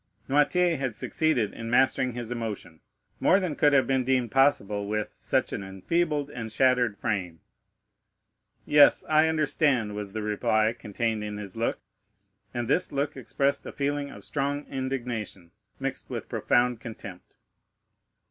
Noirtier had succeeded in mastering his emotion more than could have been deemed possible with such an enfeebled and shattered frame. "Yes, I understand," was the reply contained in his look; and this look expressed a feeling of strong indignation, mixed with profound contempt.